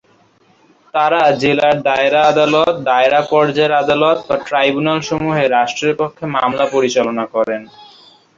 তারা জেলার দায়রা আদালত, দায়রা পর্যায়ের আদালত বা ট্রাইব্যুনালসমূহে রাষ্ট্রের পক্ষে মামলা পরিচালনা করেন।